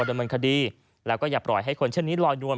ดำเนินคดีแล้วก็อย่าปล่อยให้คนเช่นนี้ลอยนวล